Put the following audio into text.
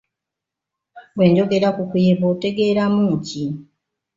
Bwe njogera ku kuyeba otegeeramu ki?